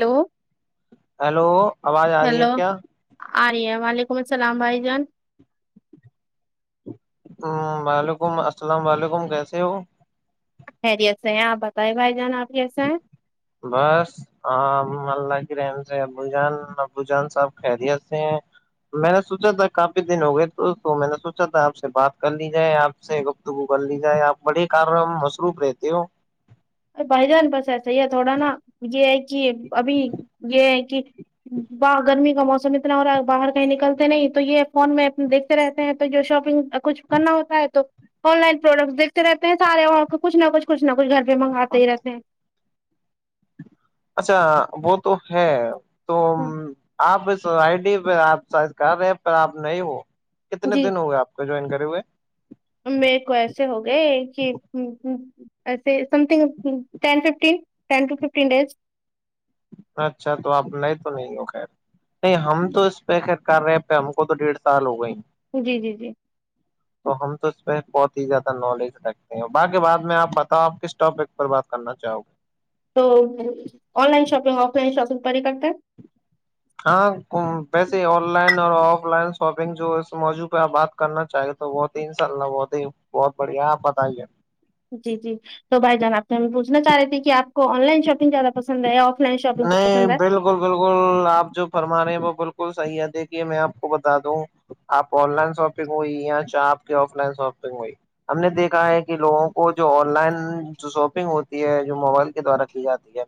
hello hello آواز آ رہی ہے ہیلو کیا آ رہ ہے وعلیکم السلام بھائی جان ہ وعلیکم السلام و علیکم کیسے ہو خیرییت سےے ہیں آپ بتائی بھائی جان آپ کیسے ہیں بس ہ اللہ کی رن سے ابو جان ابو جان سب خیریت سے ہیں میں نے سوچا تھا کافی دن ہو گئے تو تو میں نے سوچا تھا آپ سے بات کر لی جائے آپ سے گفتگو کر لی جائے آپ بڑے کار مصروف رہتے ہو ا بھائی جان بس ایسا ہی ہے تھوڑا نا یہ ہے کہ ابھی یہ ہے کہ ب گرمی کا موسم اتنا ہو رہا باہر کہیں نکلتے نہیں تو یہ فون میں دیکھتے رہتے ہیں تو جو شاپنگ کچھ کرنا ہوتا ہے تو آن لائن پروڈکٹس دیکھتے رہتے ہیں سارے کچ نہ کچھ کچ نہ کچھ گھر منگ آتے ہی رہتے ہیں اچھا وہ تو ہے تو آپ س آئی ڈی پہ آپ سائز کر رہے پر آپ نہیں ہو کتنے جی دن ہو گئے آپ کو جوائن کرے ہوئے میرے کو ایسے ہو گئے کہ ایے سمنگ ٹ ففین ٹ ففین ڈز اچھا تو آپ نہیں تو نہیں ہو خیر نہیں ہم تو اس پہ کر رہے پ ہم کو تو ڈیڑھ سال ہو گئے ہی جی جی جی ج تو ہم تو اس پہ بہت ہی زیادہ نالج رکھتے ہیں باقی بعد میں آپ بتاؤ آپ کس ٹاپک پر بات کرنا چاہو گے تو online shopping offline shopping پر ہی کرتا ہے ہاں ویسے آن لائن اور آف لائن شاپنگ جو اس موجوع پہ آپ بات کرنا چاہیے تو وہ ت ان شاء اللہ وہت بہت بڑھیا آپ بتائیے جی جی تو بھائی جان آ سے ہم پوھنا چاہ رہے تھ کہ آپ کو آن لائن شاپنگ زیادہ پسند ہے آف لائن شپ نہیں بالکل بالکل بالکل آپ جو فرما رہے ہیں وہ بالکل صحیح ہے دیکھیے میں آپ کو بتا دوں آپ آن لائن شاپنگ ہوئی یا چاہ آ کی آف لائن شاپنگ ہوئی ہم نے دیکھا ہے کہ لوگوں کو جو آن لائن جو شاپنگ ہوتی ہے جو موبائل کے دوارا کی جاتی ہے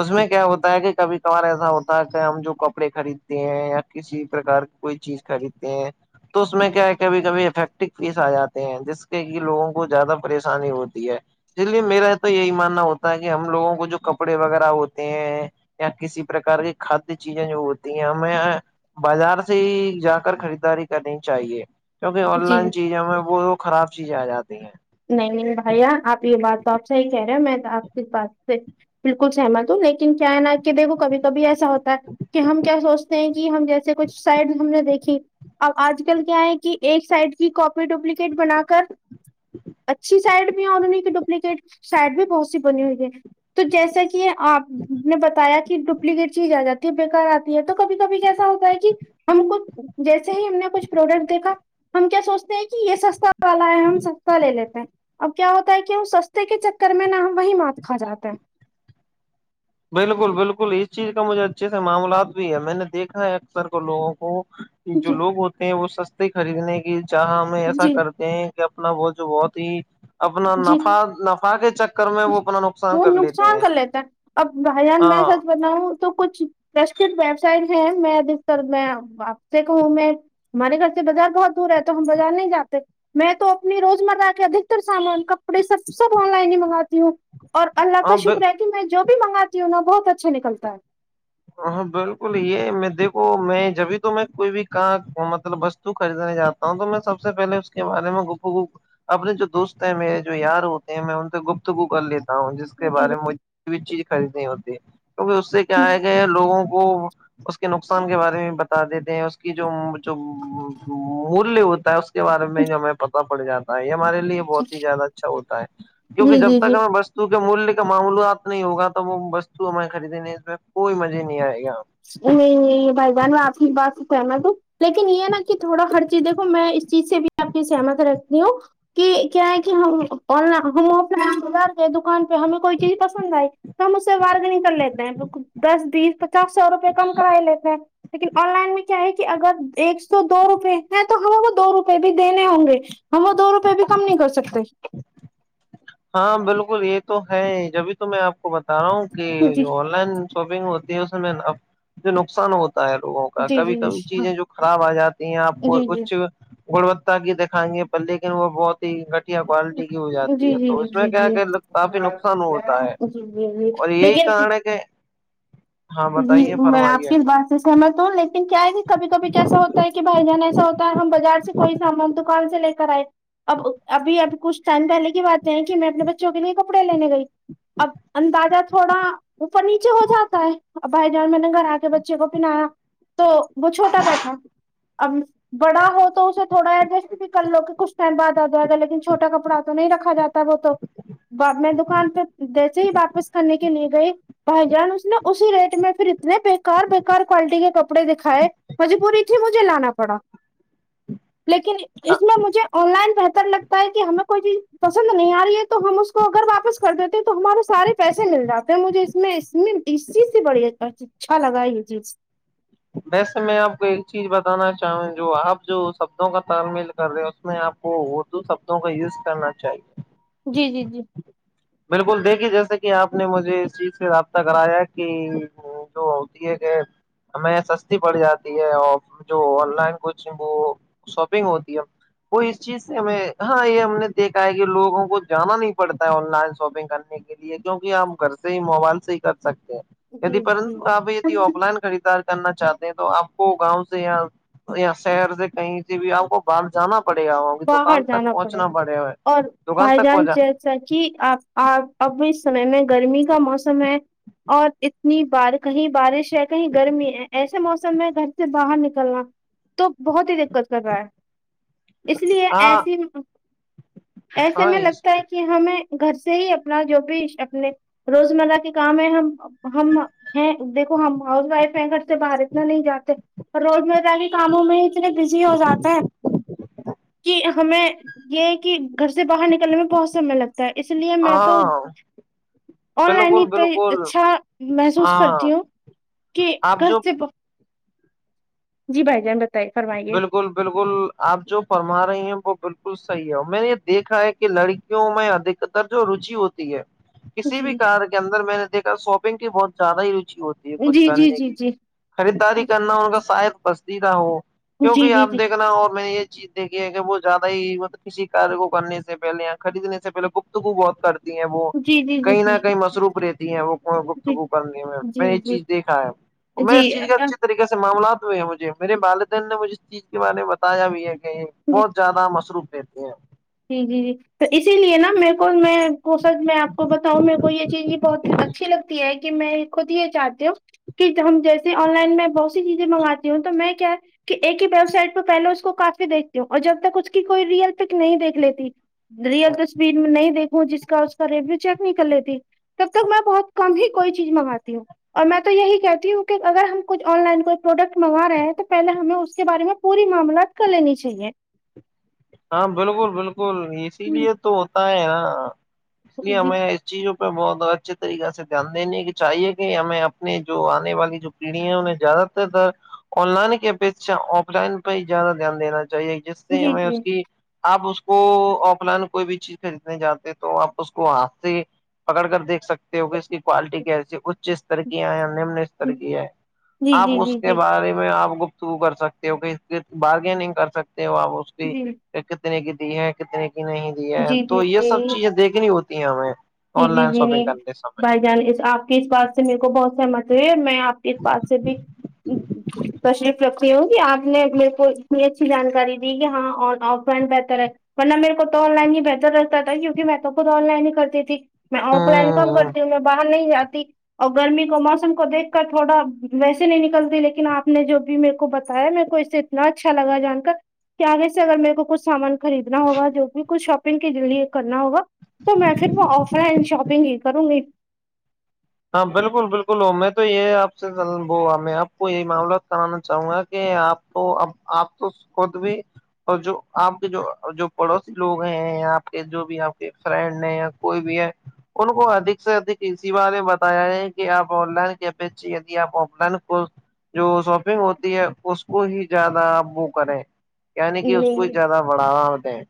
اس میں کیا ہوتا ہے کہ کبھی کبار ایسا ہوتا ہے کہ ہم جو کپڑے خریدتے ہیں یا کسی پرک کی کوئی چیز خریدتے کہ تو اس میں کیا ہے کبھی کبھی افیکٹو فیس آ جاتے ہیں جس کے کہ لوگوں کو زیادہ پریشانی ہوتی ہے اس لیے میرا تو یہی ماننا ہوتا ہے کہ ہم لوگوں کو جو کپڑے وغیرہ ہوتے ہیں یا کسی پرک کی کھادی چیزیں جو ہوتی ہیںیں بازار سے ہی جا کر خریداری کرنی چاہیے کیونکہ آن جی جی لائن چیزوں میں وہ خراب چیزیں آ جاتی ہیں نہیں نہیں بھیا آپ یہ بات تو آپ سےح ہی کہہ رہے ہو میںپ اس بات سے بالکل سہمت ہوں لیکن کیا ہے نہ کہ دیکھو کبھی کبھی ایسا ہوتا ہے کہ ہم کیا سوچتے ہیں کہ ہم جیسے کچھ سائڈ ہم نے دیکھی اب آج کل کیا ہے کہ ایک سائڈ کی کاپی ڈوپلیکیٹ بنا کر اچھی سائڈ بھی اور انہیں کی ڈوپلیکیٹ سائڈ بھی بہت سی بنی ہوئی ہے تو جیسا کہ کہ آپ نے بتایا کہ ڈپلیکیٹ چیز آ جاتی ہے بےیکار آتی ہے تو کبھی کبھی جیسا ہوتا ہے کہ ہم کو جیسے ہی ہم نے کچھ پروڈکٹ دیکھا ہم کیا سوچتے ہیں کہ یہ سستا والا ہے ہم س لے لیتے ہیں اب کیا ہوتا ہے کہ وہ سستے کے چکر میں نہ وہیں مات کھ جاتا ہے بالکل بالکل اس چیز کا مجھے اچھے سے معاملات بھی ہے میں نے دیکھا ہے اکثر کو لوگوں کو کہ جو جی لوگ ہوتے ہیں وہ سستے خریدنے کی جہاں ہم ایسا جی کرتے ہیں اپنا وہ جو بہت ہی اپنا جی نفا نفا کے چکر کر میں وہ اپنا نقصان وہ کر لیتے نقصان ہیں کر لیتا ہے اب بھائی جان میں ہاں س بناؤں تو کچھ پرشٹت ویبسائٹ ہیں میں ادر میں وپ سے کہوں میں ہمارے گھر سے بازار بہت دور ہے تو ہم بازار نہیں جاتے میں تو اپنی روزمرہ کے ادکتر سامان کپڑے سب سب آن لائن ہی منگاتی ہ ہوں اور اللہ کا ہاں شکر ہے کہ میں جو بھی منگاتی ہوں نا بہت اچھا نکلتا ہے ہاں بالکل یہ میں دیکھو میں جبھی تو میں کوئی بھی کہاں مطلب بس تو خریدنے جاتا ہوں تو میں سب سے پہل اس کے بارے میں گ اپنے جو دوست ہیں میرے جو یار ہوتے ہیں میں ان سے گفتگو کر لیتی ہ ہ جس کے ہے جی بارے میں مج بھی چیز خریدنی ہوتی کیکہ اس سے جی کیا ہے کہ لوگوں کو اس کے نقصان کے بارے میں ب دیتے ہیں اس کی جو جو مولیہ ہوتا ہے اس کے بارے میں جو ہمیں پتا پڑ جاتا یہ ہمارے لیے بہت ہی زیادہ اچھا ہوتا ہے کیونکہ جی جب جی تک جی ہمیں بس کیکہ مولیہ کا معاملات نہیں ہوگا تو وہ وستو ہمیں خریدینے اس میں کوئی مزے نہیں آئے گا نہیں نہیں بھائی بان آپ کی بات کہنا تو لیکن یہ ہے نا کہ تھوڑا ہر چیز دیکھو میں اس چیز سے بھی آپ کی سہمت رکھتی ہوں کہ کیا ہے کہ ہم ہم آف لائن بازار گ دکان پہ ہمیں کوئی چیز پسند آئی ہم اس سے وارگنگ کر لیتے ہیں دس بیس پچاس سو روپئے کم کرا لیتے ہیں لیکن آن لائن میں کیا ہے کہ اگر ایک سو دو روپئے ہیں تو ہمیں کو دو روپئے بھی دینے ہوں گے ہم وہ دو روپئے بھی کم نہیں کر سکتے ہاں بالکل یہ تو ہے جبھی تو میں آپ کو بتا رہا ہوں کہ جی جو آن لائن شاپنگ ہوتی ہے اس میں جو نقصان ہوتا ہوتا ہے لوگوں کا جی کبھی جی جی کبھی ہاں چیزیں جو خراب آ جاتی ہیں آپ کو جی جی اچ گنوتتا کی دکھائیں گے پر لیکن وہ بہت ہی گٹھیا کوالٹی کی ہو جاتی جی ہے جی جی تو جی اس میں جی کیا کہ کافی جی نقصان ہوتا ہے جی جی اور یہی لیکن کن ہے کہ ہاں جی بتائیے میں آپ فرمائیے کی بات سے سہمت ہوں لیکن کیا ہے بھی کبھی کبھی کیسا ہوتا ہے کہ بھائی جان ایسا ہوتا ہم بازار سے کوئی سامان دکان سے لے کے کرئے اب ابھی اب کچھ ٹائم پہلے کی بات ہیں کہ میں اپنے بچوں کے لیے کپڑے لینے گئی اب اندازہ تھوڑا اوپر نیچے ہو جاتا ہے اب بھائی جان میں لن گگر آ کے بچے کو پناایا تو وہ چھوٹا بیٹھا اب بڑا ہو تو اسے تھوڑا ایڈجسٹ بھی کر لو کہ کچھ ٹائم بعد آ جائے گا لیکن چھوٹا کپڑا تو نہیں رکھا جاتا ت وہ تو میں دکان پہ جیسے ہی واپس کرنے کے لیے گئی بھائی جان اس نے اسی ریٹ میں پھر اتنے بےیکار بےکار کوالٹی کے کپڑے دکھائے مجبوری تھی مجھے لانا پڑا ہ لیکن اس میں مجھے آن لائن بہتر لگتا کہ ہمیں کوئی چیز پسند نہیں آ رہی ہے تو ہم اس کو اگر واپس کر دیتے ہیں تو ہمارے سارے پیسے مل جاتے ہیں مجھے اس میں اس میں اسیز سے بڑی اچھا لگا ہے یہ چیز ویسے میں آپ کو ایک چیز بتانا چاہوں جو آپ جو شبدوں کا تعالمیل کر رہے ہیں اس میں آپ وہ اردو شبدوں کا یوز کرنا چاہیے جی جی جی بالکل دیکھیے جیسے کہ آپ نے مجھے اس چیز سے رابطہ کرایا کہ نہیں تو ہوتی ہے کہ ہمیں سستی پڑ جاتی ہے اور جو آن لائن کوچنگ وہ شاپنگ ہوتی ہے وہ اس چیز سے ہمیں ہاں یہ ہم نے دیکھا ہے کہ لوگوں کو جانا نہیں پڑتا ہے آن لائن شاپنگ کرنے کی لیے کیکہ آپ گھر سے ہی موبائل سے ہی کر سکتے ہیں ی جی پرنت آپ جی جی آف لائن ار کرنا چاہتے ہیں تو آپ کو گاؤں سے یا یا شہر سے کہیں سے بھی آپ کو باہر جانا پڑے گا ہو باہر دکان تک جانا پڑے پہنچنا پڑےا ہے دکان تک پہنچا سچی آپپ اب اس سمے میں گرمی کا موسم ہے اور اتنی بار کہیں بارش ہے کہیں گرمی ہے ایسے موسم میں گھر سے باہر نکلنا تو بہت ہی دقت کر رہا ہے اس لیے ہاں ایسی ایسے ہاں میں اس لگتا ہے کہ ہمیں گھر سے ہی اپنا جو بھی اپنے روزمرہ کے کام ہے ہم ہم ہیں دیکھو ہم ہاؤس وائف ہے گھر سے باہر اتنا نہیں جاتے روز مر کاموں میں اتنے بزی ہو جاتے ہیں کہ ہمیں یہ کہ گھر سے باہر نکلنے میں بہت سمے لگتا ہے اس لیے میں تو ہاں آن لائن بالکل ہی پہ بالکل اچھا محسوس ہاں کرتی ہوں کہ آپ کر جو سے جی بائی جان بتائیے فرمائیے بالکل بالکل آپ جو فرما رہے ہیں وہ بالکل صحیح ہے اور میں نے یہ دیکھا ہے کہ لڑکیوں میںدھ تر جو روچی ہوتی ہے کسی جی بھی کار کے اندر میں نے دیکھا شاپنگ کی بہت زیادہ ہی روچی ہوتی ہے یہ کچھ جی جی کرنے کی جی جی لی جی خریداری کرنا ان کا شاید بستیدہ ہو جی کیوںکہ جی آپ دیکھنا اور میں یہ چیز دیکھیے کہ وہ زیادہ ہی مطلب کسی کار کو کرنے سے پہلے خریدنے سے پہلے گفتگو بہت کرتے ہیں وہ جی جی جی جی کہیں نہ کہیں مصروف رہتی ہیں وہ جی گفتگو کرنے میں میں جی نے یہ چیز دیکھا ہے میں جی اس چیز کا اچھی جی طریقے سے معاملات ہوئے ہیں مجھے میرے والدین نے مجھے اس چیز کے بارے میں بتایا بھی ہے کہ یہ بہت زیادہ مصروف کہتے ہیں جی جی جی تو اسی لیے نا میر کو میں کو سج میں آپ کو بتاؤں میرے کو یہ چیز بھی بہت اچھی لگتی ہے کہ میں خود ہی یہ چاہتی ہوں کہ ہم جیسے آن لائن میں بہت سی چیزیں منگاتی ہوں تو میں کیا ایک ہی ویب سائٹ پہ پہے اس کو کافی دیکتی ہوں اور جب تک اس کی کوئی ریئل پک نہیں دیکھ لیتی ریئل تو اسپرین میں نہیں دیکھوں جس کا اس کا ریویو چیک نہیں کر لیتی تب تک میں بہت کم ہی کوئی چیز منگاتی ہوں اور میں تو یہی کہتی ہوں کہ اگر ہم کچھ آن لائن کوئی پروڈکٹ منگا رہے ہیں تو پہلے ہمیں اس کے بارے میں پوری معاملات کر لینی چاہیے ہاں بالکل بالکل اسی لیے تو ہوتا ہے نا اس لیے جی ہمیں چیزوں پہ بہت اچھے طریقہ سے دھیان دینے کی چاہیے کہ ہمیں اپنے جو آنے والی جو پیڑھی ہے انہیں زیادہ ترر آن لائن کی اپیشا آف لائن پہ ہی زیادہ دھیان دینا چاہیے جی سے میں آپ اس کو آف لائن کوئی بھی چیز خریدنے جاتتے تو آپ اس کو ہاتھ سے پکڑ کریکھ سکتے ہو کہ اس کی کوالٹی کیسی اچ ر جی کیا نمن ستر کی ہے آپ جی جی اس کے جی بارے میں آپ کو شو کر سکتے ہو ک بارگیننگ کر سکتے ہو آپ اس کی جی کتنے کی دی ہے کتنے کی نہیں دی ہے جی جی تو یہ سب چیزیں دیکھنی ہوتی ہیں ہمیں جی آن جی لائن جی شاپنگ جی کرتے سمے بھائی جان آپ کی اس بات سے میرے کو بہت سہمت ہوئے ہے میں آپ اسس پاس سے بھی تشریف رکھتی ہوں کہ آپ نے میرے کو اتنی اچھی جانکاری دی کہ ہاں آف رائنٹ بہتر ہے ورنہ میرے کو تو آ لائن ہی بہتر لگتا تھا کیونکہ میں تو خود آن لائن ہی کرتی تھی میں آف لائن کم ہ کرتی ہوں میں باہر نہیں جاتی اور گرمی کو موسم کو دیکھ کر تھوڑا ویسے نہیں نکلتی لیکن آپ نے جو بھی میرے کو بتایا میرے کو اس سے اتنا اچھا لگا جان کر کیانےے سے اگر میرے کو کچھ سامان خریدنا ہوگا جو بھی کچھ شاپنگ کےعے کرنا ہوگا تو میں پھر وہ آف شاپنگ ہی کروں گی ہاں بالکل بالکل ا میں تو یہ آپ سے میں آپ کو یہی معاملہات سنانا چاہوں گا کہ آپ تو اب آپ تو خود بھی اور جو آپ کے جو جو پڑوسی لوگ ہیں آپ کے جو بھی آپ کے فرینڈ ہیں یا کوئی بھی ہے ان کو ادک سے ادک اسی والے ب ہیں کہ آپ آن لائن کیا پچ آپ آن لائن کو جو شاپنگ ہوتی ہے اس کو ہی زیادہ آپ وہ کریں نہیں کہ اس کو زیادہ بڑھا دیں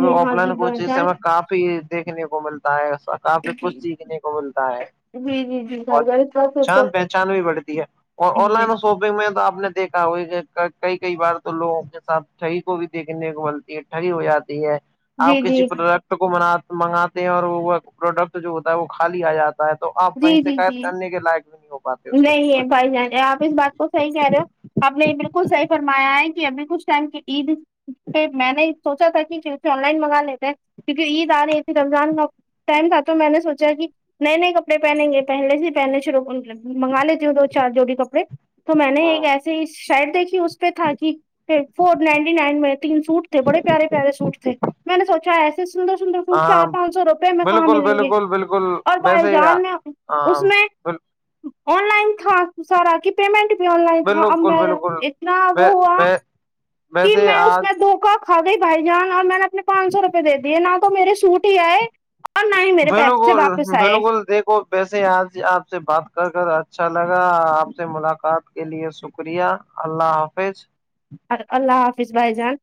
نہیں آپ ہاں جی لائن کوھ بھائی سے جان ہمیں کافی دیکھنے کو ملتا ہے کافی جی کچھ سیکھنے کو ملتا ہے جی جی جی اور گھر گھر تو تو- جان تو- پہچان بھی بڑھتی ہے اور آن جی لائن شوپنگ میں تو آپ نے دیکھا ہو کہ کئی کئی بار تو لوگوں کے ساتھ ٹھی کو بھی دیکھنے مل ٹھگی ہو جاتی ہے جی آپ کسی جی پروڈکٹ کو م منگاتے ہیں اور وہ پروڈکٹ جو ہوتا ہے وہ خالی آ جاتا ہے تو آپ جی وہیں جی شکیت جی کرنے کے لائق بھی نہیں ہوگ نہیں ہے بھائی جان آپ اس بات کو صحیح کہہ رہے ہو آپ نے یہ بالکل صحیح فرمایا ہے کہ ایں کچھ ٹائم کی عید پھر میں نے سوچا تھا کہے آن لائن منگا لیتے ہیں کیونکہ عید آ رہی تھی رمضان میں ٹائم تھا تو میں نے سوچا کہ نئے نئے کپڑے پہنیں گے پہلے سے پہننے شرو منگا لیتی ہوں دو چار جوڑی کپڑے تو میں نے ایک ایسی شیڈ دیکھی اس پہ تھا کہ فور نائنٹی نائن میں تین سوٹ تھے بڑے پیے پارے سوٹ تھے میں نے سوچا ایے سندر سندر فوٹ ہاں چار پانچ سو روپے میں کہاں بالکل ملیں گے بالکل بالکل اور بھائی ویسے ہی جان میں ہاں اس میں آن لائن تھا سارا کی پیمنٹ بھی آن لائن تھا بالکل ایر اتنا بالکل وہ ہوا ویسے میں اس آج میں دو کا کھ گئی بھائی جان اور میں نے اپنے پانچ سو روپے د دیے نہ تو میرے سوٹ ہی آئے اور نہیں میرے پیسے بالکل واپس آئے بالکل دیکھو ویسے آج آپ سے بات کر کر اچھا لگا آپ سے ملاقات کے لیے شکریہ اللہ حافظ ار اللہ حافظ بھائی جان